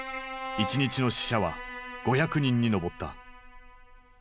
１日の死者は５００人に上った。